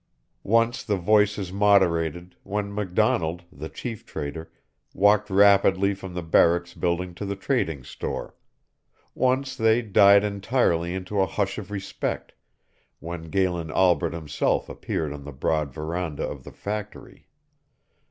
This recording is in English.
Once the voices moderated, when McDonald, the Chief Trader, walked rapidly from the barracks building to the trading store; once they died entirely into a hush of respect, when Galen Albret himself appeared on the broad veranda of the factory.